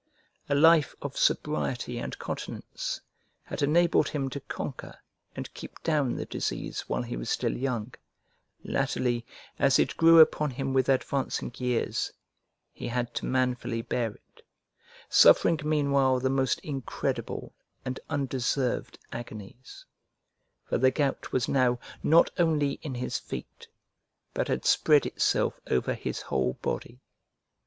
A life of sobriety and continence had enabled him to conquer and keep down the disease while he was still young, latterly as it grew upon him with advancing years, he had to manfully bear it, suffering meanwhile the most incredible and undeserved agonies; for the gout was now not only in his feet, but had spread itself over his whole body.